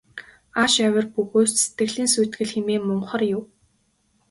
Ааш авир бөгөөс сэтгэлийн сүйтгэл хэмээн мунхар юу.